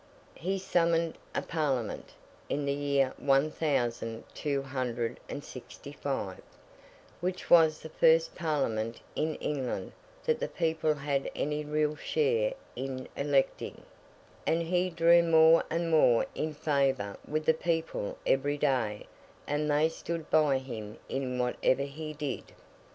He summoned a Parliament (in the year one thousand two hundred and sixty five) which was the first Parliament in England that the people had any real share in electing; and he grew more and more in favour with the people every day, and they stood by him in whatever he did.